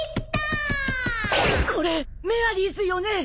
これメアリーズよね！